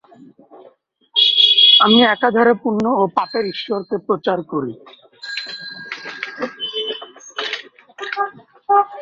আমি একাধারে পুণ্য ও পাপের ঈশ্বরকে প্রচার করি।